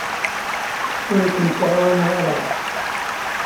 Ur kem-ttɛawaneɣ ara.